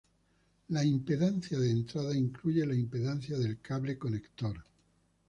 La impedancia de entrada incluye la impedancia del cable conector.